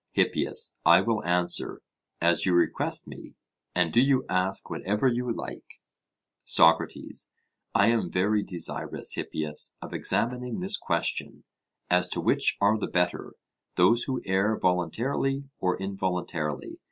HIPPIAS: I will answer, as you request me; and do you ask whatever you like. SOCRATES: I am very desirous, Hippias, of examining this question, as to which are the better those who err voluntarily or involuntarily?